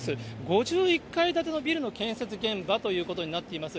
５１階建てのビルの建設現場ということになっています。